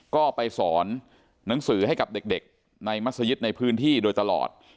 ก็ไปสอนหนังสือให้กับเด็กในมัศยิตในพื้นที่โดยตลอด